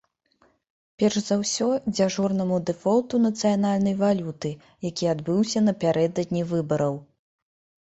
Перш за ўсё, дзяжурнаму дэфолту нацыянальнай валюты, які адбыўся напярэдадні выбараў.